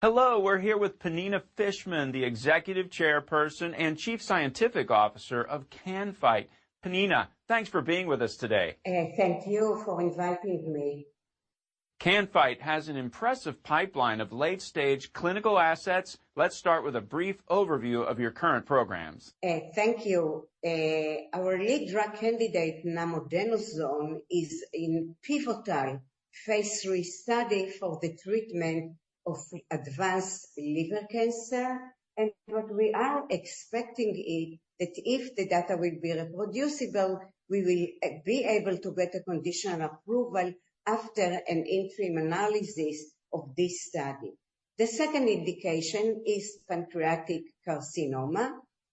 Hello, we're here with Pnina Fishman, the Executive Chairperson and Chief Scientific Officer of Can-Fite. Pnina, thanks for being with us today. Thank you for inviting me. Can-Fite has an impressive pipeline of late-stage clinical assets. Let's start with a brief overview of your current programs. Thank you. Our lead drug candidate, Namodenoson, is in pivotal Phase III study for the treatment of advanced liver cancer. What we are expecting is that if the data will be reproducible, we will be able to get a conditional approval after an interim analysis of this study. The second indication is pancreatic carcinoma,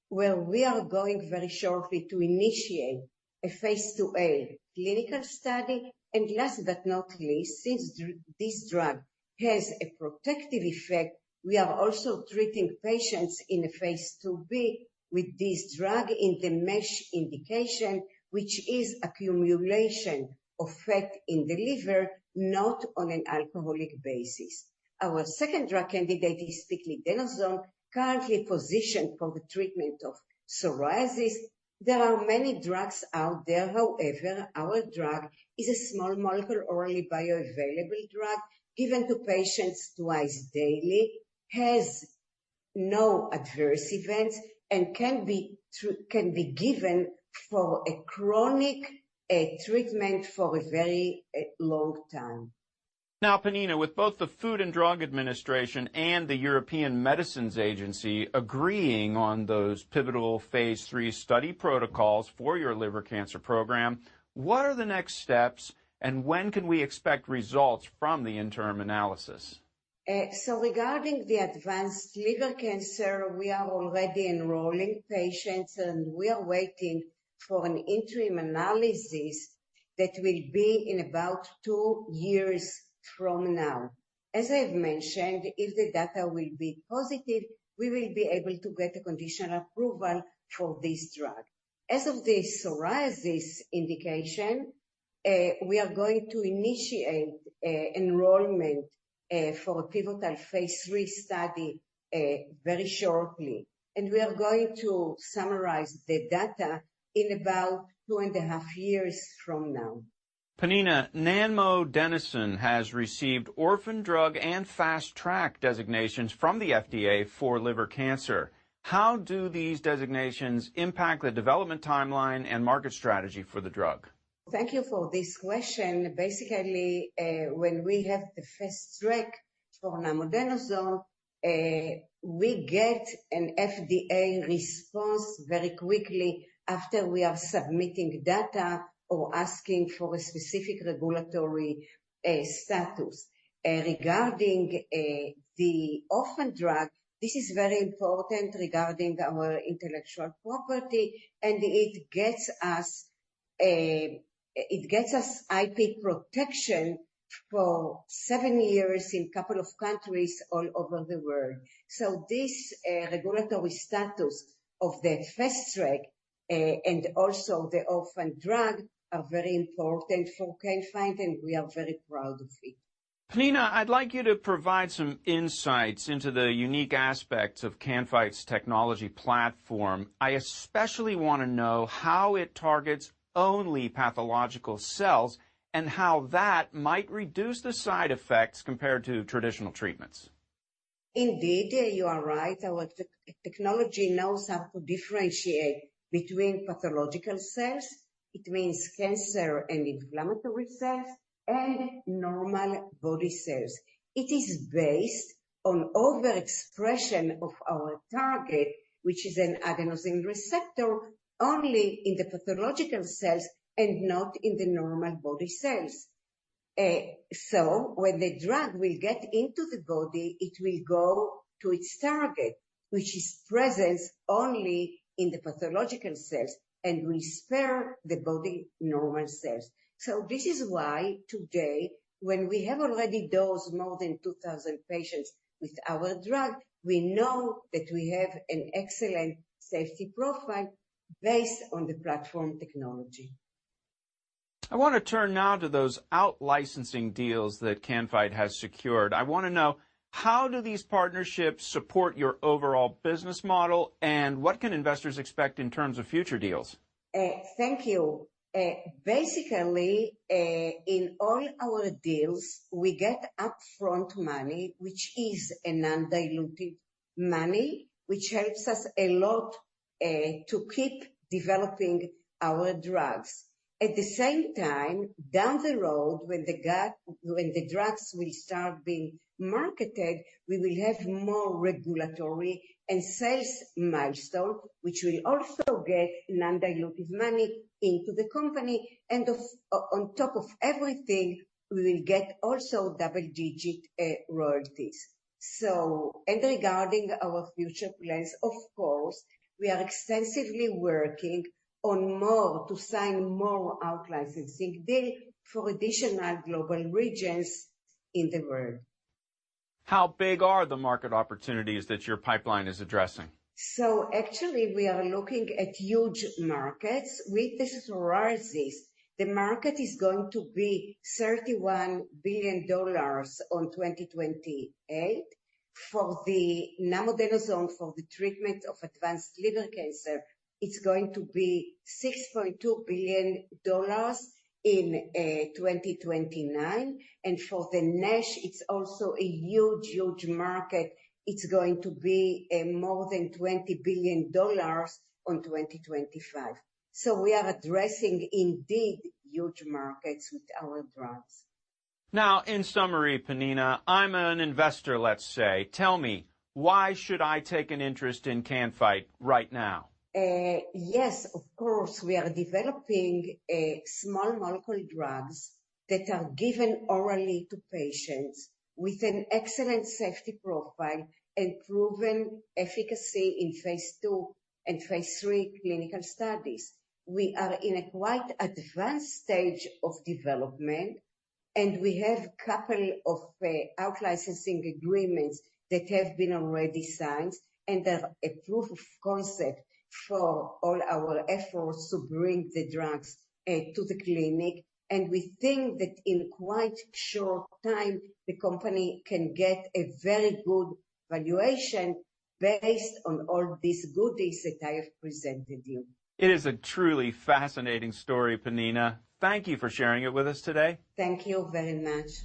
where we are going very shortly to initiate a Phase IIa clinical study. Last but not least, since this drug has a protective effect, we are also treating patients in a Phase IIb with this drug in the MASH indication, which is accumulation of fat in the liver, not on an alcoholic basis. Our second drug candidate is Piclidenoson, currently positioned for the treatment of psoriasis. There are many drugs out there. However, our drug is a small molecule, orally bioavailable drug, given to patients twice daily, has no adverse events, and can be given for a chronic treatment for a very long time. Now, Pnina with both the Food and Drug Administration and the European Medicines Agency agreeing on those pivotal Phase III study protocols for your liver cancer program, what are the next steps, and when can we expect results from the interim analysis? So regarding the advanced liver cancer, we are already enrolling patients, and we are waiting for an interim analysis that will be in about 2 years from now. As I've mentioned, if the data will be positive, we will be able to get a conditional approval for this drug. As of the psoriasis indication, we are going to initiate enrollment for a pivotal Phase III study very shortly. We are going to summarize the data in about 2.5 years from now. Pnina, Namodenoson has received Orphan Drug and Fast Track designations from the FDA for liver cancer. How do these designations impact the development timeline and market strategy for the drug? Thank you for this question. Basically, when we have the fast track for Namodenoson, we get an FDA response very quickly after we are submitting data or asking for a specific regulatory status. Regarding the orphan drug, this is very important regarding our intellectual property, and it gets us a... It gets us IP protection for seven years in a couple of countries all over the world. So this regulatory status of the fast track and also the orphan drug are very important for Can-Fite, and we are very proud of it. Pnina, I'd like you to provide some insights into the unique aspects of Can-Fite's technology platform. I especially want to know how it targets only pathological cells and how that might reduce the side effects compared to traditional treatments. Indeed, you are right. Our technology knows how to differentiate between pathological cells, between cancer and inflammatory cells and normal body cells. It is based on overexpression of our target, which is an adenosine receptor, only in the pathological cells and not in the normal body cells. So when the drug will get into the body, it will go to its target, which is present only in the pathological cells, and we spare the body normal cells. So this is why today, when we have already dosed more than 2,000 patients with our drug, we know that we have an excellent safety profile based on the platform technology. I want to turn now to those out-licensing deals that Can-Fite has secured. I want to know, how do these partnerships support your overall business model, and what can investors expect in terms of future deals? Thank you. Basically, in all our deals, we get upfront money, which is a non-dilutive money, which helps us a lot to keep developing our drugs. At the same time, down the road, when the drugs will start being marketed, we will have more regulatory and sales milestone, which will also get non-dilutive money into the company, and, on top of everything, we will get also double-digit royalties. So and regarding our future plans, of course, we are extensively working on more to sign more out-licensing deal for additional global regions in the world. How big are the market opportunities that your pipeline is addressing? So actually, we are looking at huge markets. With the psoriasis, the market is going to be $31 billion in 2028. For the Namodenoson, for the treatment of advanced liver cancer, it's going to be $6.2 billion in 2029, and for the NASH, it's also a huge, huge market. It's going to be more than $20 billion in 2025. So we are addressing, indeed, huge markets with our drugs. Now in summary, Pnina, I'm an investor, let's say. Tell me, why should I take an interest in Can-Fite right now? Yes, of course, we are developing small molecule drugs that are given orally to patients with an excellent safety profile and proven efficacy in Phase II and phase three clinical studies. We are in a quite advanced stage of development, and we have couple of out licensing agreements that have been already signed and are a proof of concept for all our efforts to bring the drugs to the clinic. And we think that in quite short time, the company can get a very good valuation based on all these goodies that I have presented you. It is a truly fascinating story, Pnina. Thank you for sharing it with us today. Thank you very much.